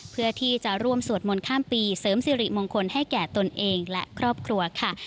เพื่อที่จะร่วมสวดมนต์ข้ามปีเสริมสิริมงคลให้แก่ตนเองและครอบครัวค่ะ